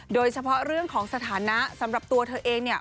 โดยเฉพาะเรื่องของสถานะสำหรับตัวเธอเองเนี่ย